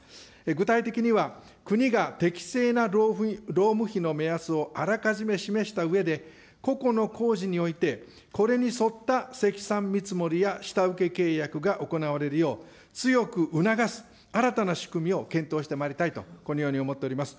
具体的には、国が適正な労務費の目安をあらかじめ示したうえで、個々の工事において、これに沿った積算見積もりや下請け契約が行われるよう、強く促す新たな仕組みを検討してまいりたいと、このように思っております。